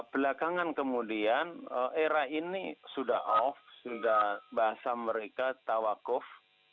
belakangan kemudian era ini sudah off sudah bahasa mereka tawakuf